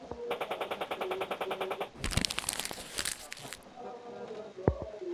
Costello was instrumental in setting up the women's national team.